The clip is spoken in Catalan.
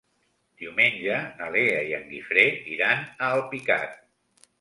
Diumenge na Lea i en Guifré iran a Alpicat.